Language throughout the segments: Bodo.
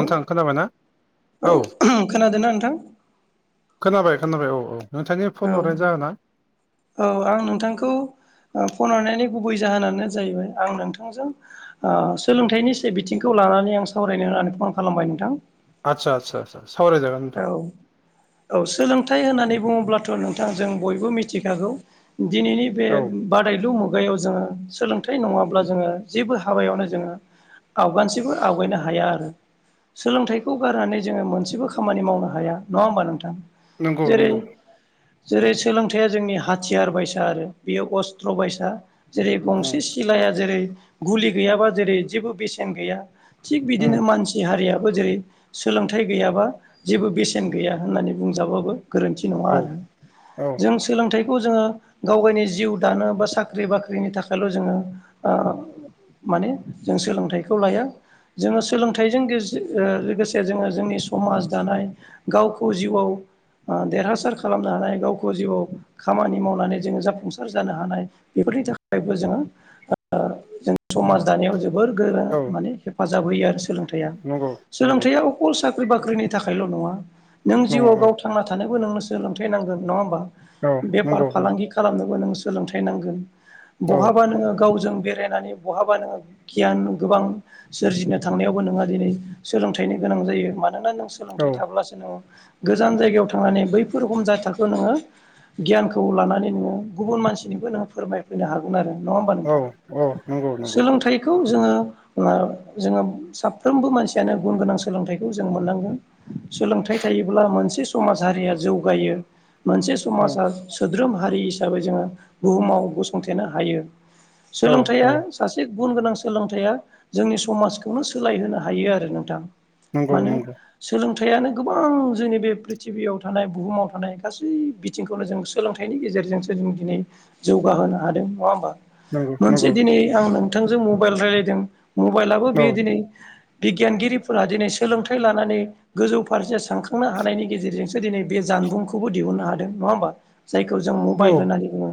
औ नोंथां खोनाबाय ना औ। खोनादोंना नोंथां खोनाबाय खोनाबाय औ औ नोंथांनि औ फन हरनाय जाहोना? औ आं नोंथांखौ ओ फन हरनायनि गुबै जाहोनानो जाहैबाय आं नोंथांजों ओ सोलोंथाइनि से बिथिंखौ लानानै आं सावरायनो होनानै फन खालामबाय नोंथां। आतसा आतसा आतसा। औ औ सोलोंथाइ होननानै बुङो ब्लाथ' नोंथां जों बयबो मिथिखागौ दिनैनि बे औ बादायलु मु गायाव जोङो सोलोंथाइ नङाब्ला जोङो जेबो हाबायावनो जोङो आवगानसेबो आवगायनो हाया आरो सोलोंथाइखौ गारनानै जोङो मोनसेबो खामानि मावनो हाया नङा होमबा नोंथां? नोंगौ जेरै नंगौ। जेरै सोलोंथाइया जोंनि हाथियार बायसा आरो बेयो अस्त्र बायसा। जेरै उम गंसे सिलाया जेरै गुलि गैयाबा जेरै जेबो बेसेन गैया। थिग उम बिदिनो मानसि हारियाबो जेरै सोलोंथाइ गैयाबा जेबो बेसेन गैया होननानै बुंजाबाबो गोरोन्थि नङा औ आरो औ जों सोलोंथाइ खौ जोङो गावगायनि जिउ दानो बा साख्रि बाख्रिनि थाखायल' जोङो ओ माने जों सोलोंथाइखौ लाया। जोङो सोलोंथाइजों गेजजो ओ लोगोसे जोङो जोंनि समाज दानाय गावखौ जिउआव ओ देरहासार खालामनो हानाय गावखौ जिउआव खामानि मावनानै जोङो जाफुंसार जानो हानाय बेखौ बेफोरनि थाखायबो जोङो ओ जों समाज दानायाव जो बोर गोरोन औ माने हेफाजाब होयो आरो सोलोंथाइया नंगौ नंगौ सोलोंथाइयाव अखल साख्रि बाख्रिनि थाखायल' नङा नों नङ जिउआव औ गाव थांना थानोबो नोंनो सोलोंथाइ नांगोन नङा ओमबा? औ बेफार नंगौ नंगौ फालांगि खालामनोबो नों सोलोंथाइ नांगोन औ बहाबा नोङो गावजों बेरायनानै बहाबा नोङो गियान गोबां सोरजिनो थांनायावबो नोङो दिनै सो लोंथाइनि गोनां जायो मानोना नों औ सोलोंथाइ थाब्लासो नों गोजान जायगायाव थांनानै बैफोर हमजाद थाखो नोङो गियानखौ लानानै नोङो गुबुन मानसिनोबो नोङो फोरमायफैनो हागोन आरो नङा ओमबा औ नोंथां औ नंगौ नंगौ सोलोंथाइखौ जोङो मा जोङो साफ्रोमबो मानसियानो गुन गोनां सोलोंथाइखौ जों मोननांगोन। सोलोंथाइ थायोब्ला मोनसे समाज हारिया जौगायो मोनसे औ समाजा सो द्रोम हारि हिसाबै जोङो बुहुमाव गसंथेनो हायो औ सोलोंथाइया औ सासे गुन गोनां सोलोंथाइया जोंनि समाजखौनो सोलायहोनो हायो आरो नोंथां नंगौ मानो नंगौ। सोलोंथाइयानो गोबां जोंनि बे प्रिथिबियाव थानाय बुहुमाव थानाय गासै बिथिंखौनो जों सोलोंथाइनि गेजेरजोंसो जों दिनै जौगाहोनो हादों नङा ओमबा? नंगौ नंगौ मोनसे दिनै आं नोंथांजों मबाइल रायलायदों मबाइलाबो औ बेयो दिनै बिगियानगिरिफोरा दिनै सोलोंथाइ लानानै गोजौ फारसे सानखांनो हानायनि गेजेरजोंसो दिनै बे जानबुंखौबो दिहुननो हादों नङा ओमबा? जायखौ जों औ मबाइल होननानै बुङो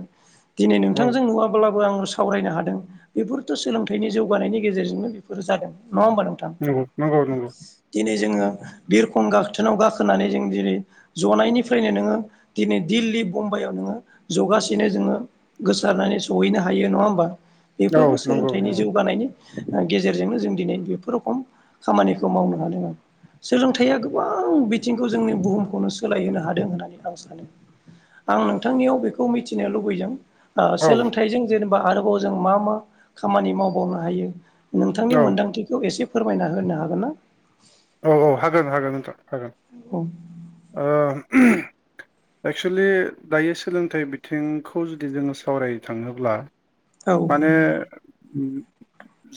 दिनै औ नोंथांजों नुवाब्लाबो आं सावरायनो हादों बेफोरथ' सोलोंथाइनि जौगानायनि गेजेरजोंनो बेफोरो जादों नङा ओमबा नोंथां नंगौ नंगौ नंगौ दिनै जोङो बिरखं गाखथोनाव गाखोनानै जों दिनै जनायनिफ्रायनो नोङो दिनै दिल्ली बम्बाइआव नो ङो जगासेनो जोङो गोसारनानै सहैनो हायो नङा ओमबा? औ बेफोरबो नंगौ सोलोंथाइनि नंगौ जौगानायनि गेजेरजोंनो जों दिनै बेफोर रोखम खामानिखौ मावनो हादों आरो सोलोंथाइया गोबां बिथिंखौ जोंनि बुहुमखौनो सोलायहोनो हादों होननानै आं सानो। आं नोंथांनियाव बेखौ मिथिनो लुबैदों। औ सोलोंथाइजों जेनेबा आरोबाव जों मा मा खामानि मावबावनो हायो। औ नोंथांनि मोन्दांथिखौ एसे फोरमायना होनो हागोन ना? औ औ हागोन हागोन नोंथां हागोन। औ [inaudible] एक्सुेलि दायो सोलोंथाइ बिथिंखौ जुदि जोङो सावरायनो थाङोब्ला औ माने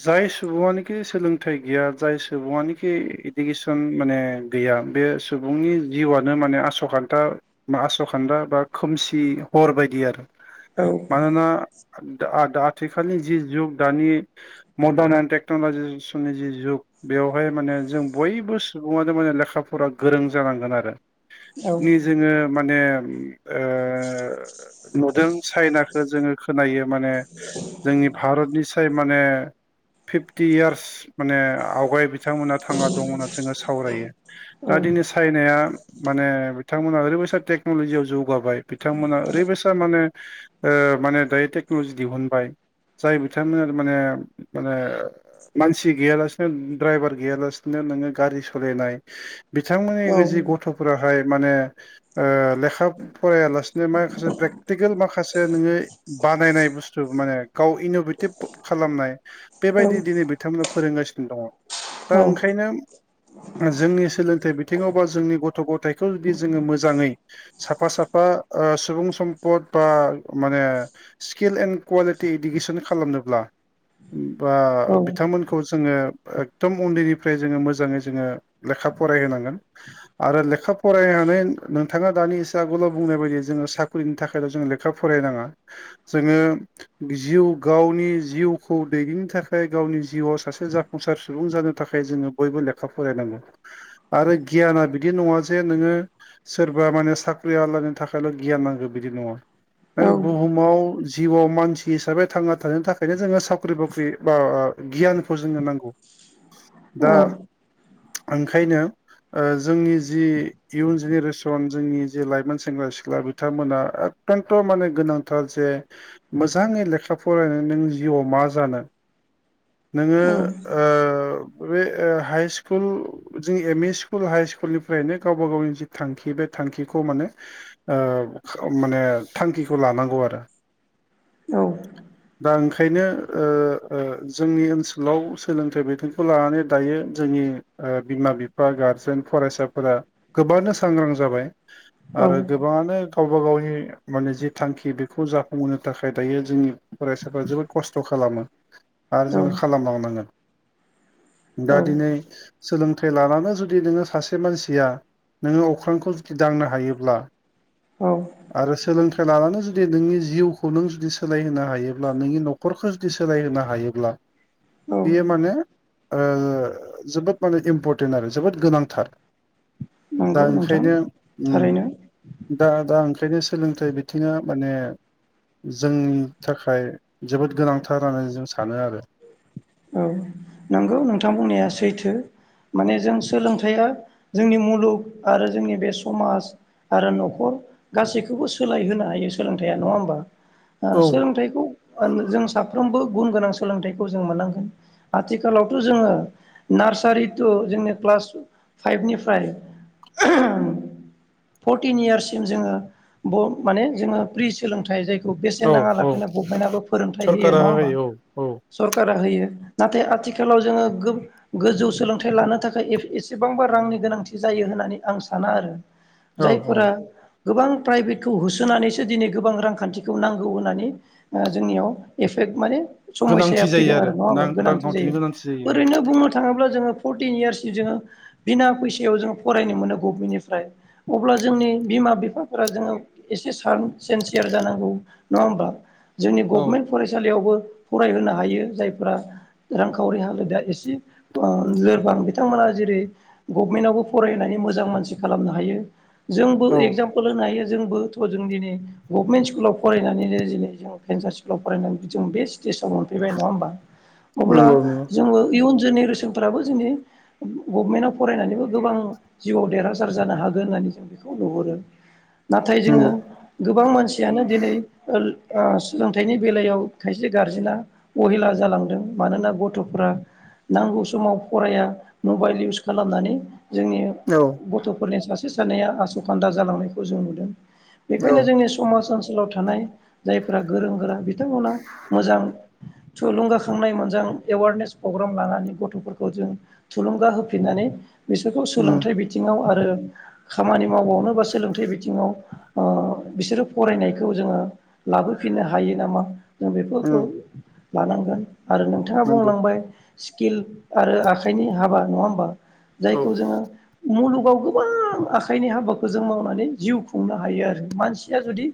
जाय सुबुआनोखि सोलोंथाइ गैया जाय सुबुआनोखि इदुकेसन माने गैया बे सुबुंनि जिउआनो माने आसखान्दा आसखान्दा बा खोमसि हर बायदि आरो मानोना आथिखालनि जि जुग दानि मडार्न एन्ड टेक्न'लाजेसननि जि जुग बेवहाय माने जों बयबो सुबुङानो माने लेखा फरा गोरों जानांगोन आरो नि जोङो माने नुदों चाइनाखौ जोङो खोनायो। माने जोंनि भारतनि फ्राय माने फिफटि यार्स माने आवगाय बिथांमोना थाङा ओ जोङो सावरायो औ दा दिनै चाइनाया ओम माने बिथांमोना ओरैबायसा टेक्न'लजियाव जौगाबाय बिथांमोना ओरैबायसा माने ओ माने दायो टेक्न'लजि दिहुनबाय। जाय बिथांमोना माने माने मानसि गैयालासेनो द्रायभार गैयालास नोङो गारि सालायनाय औ बिथांमोननि जि गथ'फोराहाय माने ओ लेखा फरायालासिनो माखासे प्रेकटिकेल माखासे नोङो बानायनाय बुस्थु माने गाव इन'भेटिभ खालामनाय बेबायदि दिनै बिथांमोना फोरोंगासिनो दङ। औ [unintelligible] जोंनि सोलोंथाइ बिथिङाव बा जोंनि गथ' गथायखौ जुदि जोङो मोजाङै साफा साफा। ओ सुबुं सम्पद बा माने स्किल एणड कुवालिटि इडुकेसन खालामनोब्ला। बा बिथांमोनखौ जोङो एकदम उन्दैनि फ्राय जोङो मोजाङै जोङो लेखा फरायहोनांगोन आरो लेखा फरायनानै नोंथाङा दा दानि एसे आगोलाव बुंनाय बायदि जोङो साख्रिनि थाखायल' जों लेखा फरायनाङा जोङो जिउ गावनि जिउखौ दैदेननो थाखाय गावनि जिउआव सासे जाफुंसार सुबुं जानो थाखाय जोङो बयबो लेखा फरायनांगौ आरो गियाना बिदि नङा जे नोङो सोरबा माने साख्रि आवलानि थाखायल' गियान नांगौ बिदि नङा नों बुहुमाव जिउआव मानसि हिसाबै थांना थानो थाखायनो जोङो साख्रि बाख्रि बा गियानखौ जोंनो नांगौ। दा ओंखायनो ओ जोंनि जि इयुन जेनेरेसन जोंनि जि लाइमोन सेंग्रा सिख्ला बिथांमोना अन्थ' माने गोनांथार जे मोजाङै लेखा फरायनानै नों जिउआव मा जानो। [inaudible] नोङो ओ बे हाइ स्कुल जों एम इ स्कुल हाइ स्कुलनिफ्रायनो गावबा गावनि जि थांखि बे थांखिखौ माने ओ माने थांखिखौ लानांगौ आरो। औ। दा ओंखायनो ओ ओ जोंनि ओनसोलाव सोलोंथाइ बिथिं खौ लानानै दायो जोंनि ओ बिमा बिफा गारजेन फरायसाफोरा गोबानो सांग्रां जाबाय। आरो गोबाङानो गावबा गावनि माने जि थांखि बेखौ जाफुंहोनो थाखाय दायो जोंनि फरायसाफ्रा जोबोद खस्थ' खालामो। खालामो आरो जोङो खालामलांनांगोन। दा औ दिनै सोलोंथाइ लानानै जुदि नोङो सासे मानसिया। नोङो अख्रांखौ जुदि दांनो हायोब्ला औ आरो सोलोंथाइ लानानै जुदि नोंनि जिउखौ नों जुदि सोलायहोनो हायोब्ला नोंनि न'खरखौ जुदि सोलायहोनो हायोब्ला बियो माने ओ जोबोद माने इम्परटेन्ट आरो जोबोद गोनांथार दा नंगौ नोंथां ओंखायनो उम थारैनो दा दा ओं खायनो सोलोंथाइ बिथिङा माने जोंनि थाखाय जोबोद गोनांथार होननानै जों सानो आरो। औ नंगौ नोंथां बुंनाया सैथो। माने जों सोलोंथाइया जोंनि मुलुग आरो जोंनि बे समाज आरो न'खर गासैखौबो सोलाय होनो हायो सोलोंथाइया नङा होमबा? ओ औ सोलोंथाइखौ जों साफ्रोमबो गुन गोनां सोलोंथाइखौ जों मोननांगौ आथिखालावथ' जोङो नार्सारि तु जोंनि क्लास फाइभनिफ्राय फरटिन इयार्ससिम जोङो माने जोङो प्रि सोलोंथाइ जाय बेसेन औ नाङा औ लासिनो गफमेन्टयाबो फोरोंथाइ होयो सरकारा नङा होनबा औ सरकार नाथाय आथिखालाव जोङो गोजौ सोलोंथाइ लानो थाखाय एसेबांबा रांनि गोनांथि जायो। होननानै आं साना आरो औ औ जायफोरा गोबां प्राइभेटखौ होसोनानैसो दिनै गोबां रांखान्थिखौ नांगौ होननानै जोंनियाव एफे माने समयसाया गोनांथि जायो फैदों आरो नङा रां होनबा गोनांथि रांखान्थिनि जायो गोनांथि जायो ओरैनो बुंनो थाङोब्ला जोङो फरतिन इयारस नि जोङो बिना पैसायावहाय जों फरायनो मोनो गभमेननिफ्राय अब्ला जोंनि बिमा बिफाफोरा जोङो एसे सान सेन्सियार जानांगौ नङा होमबा। जोंनि औ गभमेन्ट फरायसालियावबो फरायहोनो हायो जायफ्रा रांखावरि हालोदा एसे ओ लोरबां बिथांमोना जेरै गभमेन्टआवबो फरायनाय मोजां मानसि खालामनो हायो जोंबो औ एक्जामपोल होनो हायो। जोंबोथ' जों दिनै गभनमेन्ट स्कुलाव फरायनानैनो दिनै जों पेनसार स्कुलाव फरायनानै जों बेस्ट स्टेजाव मोनफैबाय नङा होमबा अब्ला नंगौ जोङो इयुन जेनेरेसनफ्राबो जोंनि गभमेन्टआव फरायनानैबो गोबां जिउआव देरहासार जानो हागोन। होननानै जों बेखौ नुहुरो नाथाय जोङो नंगौ गोबां मानसियानो दिनै सोलोंथाइनि बेलायाव खायसे गारजेना अहेला जालांदों। मानोना गथ'फोरारा नांगौ समाव फराया मबाइल इउस खालामनानै जोंनि नंगौ गथ'फोरनि सासे सानैया आसुखान्दा जालांनायखौ जों नुदों। औ बेखायनो जोंनि समाज ओनसोलाव थानाय जायफ्रा गोरों गोरा बिथांमोना मोजां थुलुंगा थांनाय मोजां एवारनेस प्रग्राम लानानै गथ'फोरखौ जों थुलुंगा होफिननानै बिसोरखौ उम सोलोंथाइ बिथिङाव आरो आरो खामानि मावबावनो बा सोलोंथाइ बिथिङाव बिसोरो फरायनायखौ जोङो लाबोफिननो हायो नामा? जों उम बेफोरखौ लानांगोन आरो नोंथाङा नंगौ बुंलांबाय स्किल आरो आखाइनि हाबा नङा होमबा औ जायखौ जोङोमुलुग गाव गोबां आखाइनि हाबाखौ जों मावनानै जिउ खुंनो हायो आरो मानसिया जुदि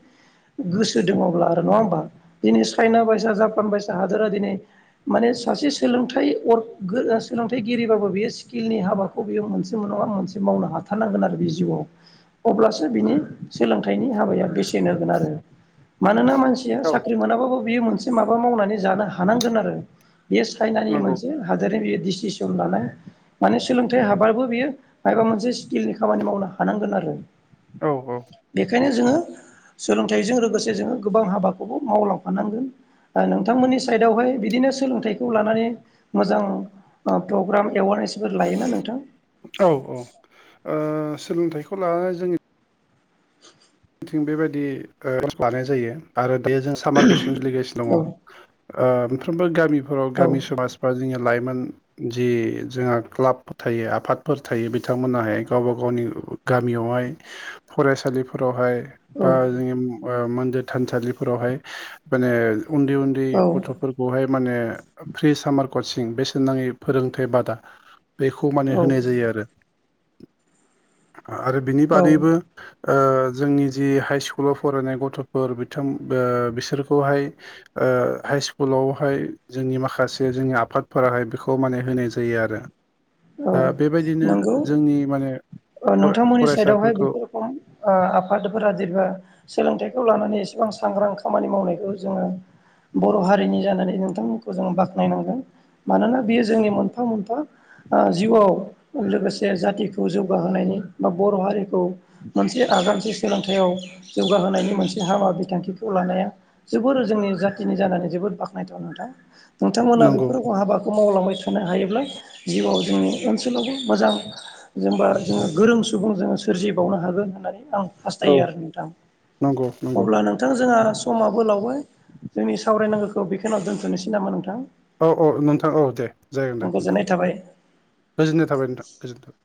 गोसो दङब्ला आरो नङा होमबा दिनै चाइना बायसा जापान बायसा हादोरा दिनै माने सासे सोलोंथाइ सोलोंथाइगिरिबाबो बेयो स्किलनि हाबाखौ बेयो मोनसे नङा मोनसे मावनो हाथारनांगोन आरो बे जिउआव अब्लासो बिनि सोलोंथाइनि हाबाया बेसेन होगोन आरो। मानोना मानसिया औ साख्रि मोनाबाबो बियो मोनसे माबा मावनानै जानो हानांगोन आरो बेयो चाइनानि नंगौ मोनसे हादोरनि बे दिसिसन लानाय माने सोलोंथाइ हाबाबाबो बियो माबा मोनसे स्किलनि खामानि मावनो हानांगोन आरो। औ बेखायनो जोङो सोलोंथाइजों लोगोसे जोङो गोबां हाबाखौबो मावलांफानांगोन नोंथांमोननि साइडआवहाय बिदिनो सोलोंथाइखौ लानानै मोजां प्रग्राम एवारनेसफोर लायोना नोंथां। औ ओ सोलोंथाइखौ लानानै जोंनि थिं बेबायदि लानाय जायो आरो बे जों सामार भेकेसन सोलिगासिनो दङ। औ ओ मोनफ्रोमबो गामिफोराव औ गामि समाज बा जोंनि लाइमो जि जोंहा क्लाबफोर थायो आफादफोर थायो बिथांमोनाहाय गावबा गावनि गामियावहाय फरायसालिफ फोरावहाय औ बा जोंङो ओ म्देर थानसालिफोरावहाय माने उन्दै उन्दै गथ'फोरखौहाय माने फ्रि सामार कचिं बेसेन नाङै फोरोंथाइ बादा बेखौ माने औ होनाय जायो आरो। आरो बिनि औ बादैबो ओ जोंनि जि हाइ स्कुलाव फरायनाय गथ'फोर बिथां बिसोरखौहाय हाइ स्कुलावहाय जोंनि माखासे जोंनि आफादफोराहाय बेखौ माने होनाय जायो आरो। औ दा बेबायदिनो नंगौ जोंनि माने नोंथांमोननि साइडआवहाय फरायसाफोरखौ बेफोर रोखम ओ आ फादफोरा जेनबा सोलोंथाइखौ लानानै एसेबां सांग्रां खामानि मावनायखौ जोङो बर' हारिनि जानानै नोंथांमोनखौ जोङो बाख्नायनांगोन मानोना बियो जोंनि मोनफा मोनफा ओ जिउआव लोगोसे जाथिखौ जौ गाहायनि बा बर' हारिखौ मोनसे आगानसे सोलोंथाइयाव जौगाहोनायनि मोनसे हाबा बिथांखिखौ लानाया जोबोर जोंनि जाथिनि जानानै जोबोर बाखनायथाव नोंथां। नोंथांमोना नंगौ बेफोर हाबाखौ मावलांबाय था नो हायोब्ला जिउआव जोंनि ओनसोलावबो मोजां जेनबा। जोङो गोरों सुबुं जोङो सोरजिबावनो हागोन होन्नानै आं औ हास्थायो आरो नोंथां नंगौ नंगौ अब्ला नोंथां जोंहा समाबो लावबाय जोंनि सावरायनांगौखौ बेखिनि आव दोनथ'नोसै नामा नोंथां? औ औ नोंथां औ दे जागोन दे नोंथां। गोजोननाय थाबाय गोजोननाय थाबाय नोंथां गोजोननाय थाबाय।